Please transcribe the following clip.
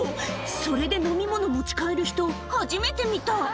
それで飲み物持ち帰る人、初めて見た。